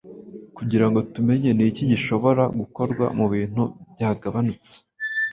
kugirango tumenye niki gishobora gukorwa mubintu byagabanutse